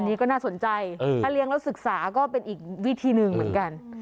อันนี้ก็น่าสนใจถ้าเลี้ยงแล้วศึกษาก็เป็นอีกวิธีหนึ่งเหมือนกัน